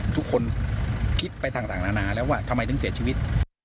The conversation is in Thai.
ทุกคนคิดไปต่างนานาแล้วว่าทำไมถึงเสียชีวิต